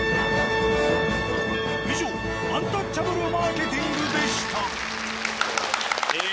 以上アンタッチャブルマーケティングでした。